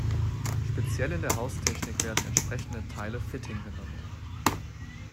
Speziell in der Haustechnik werden entsprechende Teile Fitting genannt.